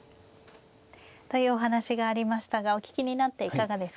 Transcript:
というお話がありましたがお聞きになっていかがですか。